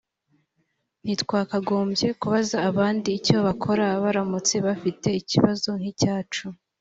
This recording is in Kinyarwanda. ntitwagombye kubaza abandi icyo bakora baramutse bafite ikibazo nk icyacu